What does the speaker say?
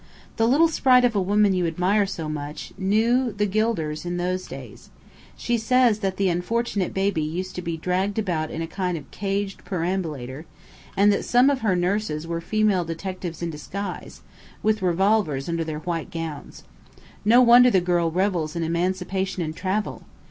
The 'little sprite of a woman' you admire so much, knew the Gilders in those days. She says that the unfortunate baby used to be dragged about in a kind of caged perambulator, and that some of her nurses were female detectives in disguise, with revolvers under their white aprons. No wonder the girl revels in emancipation and travel!